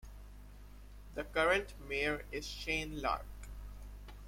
The current mayor is Shane Larck.